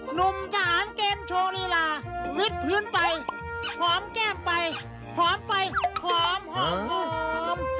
หนุ่มทหารเกณฑ์โชว์ลีลาวิดพื้นไปหอมแก้มไปหอมไปหอมหอม